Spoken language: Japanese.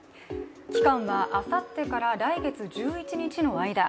期間はあさってから来月１１日の間。